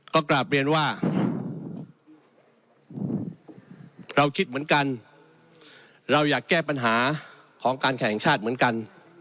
ก็กราบเรียนว่าเราคิดเหมือนกันเราอยากแก้ปัญหาของการแข่งชาติเหมือนกัน